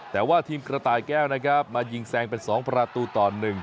แต่ว่าทีมกระต่ายแก้วนะครับมายิงแซงเป็น๒ประตูต่อ๑